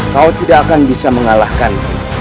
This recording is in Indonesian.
kau tidak akan bisa mengalahkan